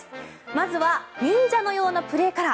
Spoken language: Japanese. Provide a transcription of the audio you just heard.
まずは忍者のようなプレーから。